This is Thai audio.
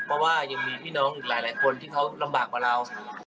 เพราะว่ายังมีพี่น้องอีกหลายคนที่เขาลำบากกว่าเรา